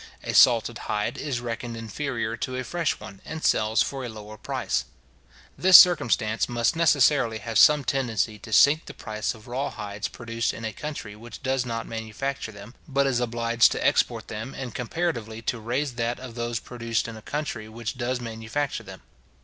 A salted hide is reckoned inferior to a fresh one, and sells for a lower price. This circumstance must necessarily have some tendency to sink the price of raw hides produced in a country which does not manufacture them, but is obliged to export them, and comparatively to raise that of those produced in a country which does manufacture them.